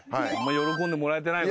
喜んでもらえてない。